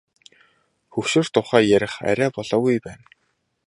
Хөгшрөх тухай ярих арай болоогүй байна.